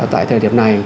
tại thời điểm này